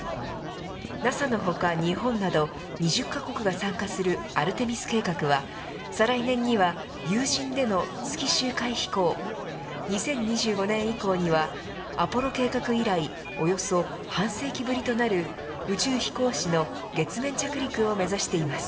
ＮＡＳＡの他、日本など２０カ国が参加するアルテミス計画は再来年には有人での月周回飛行２０２５年以降にはアポロ計画以来およそ半世紀ぶりとなる宇宙飛行士の月面着陸を目指しています。